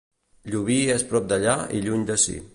Llubí és prop d'allà i lluny d'ací.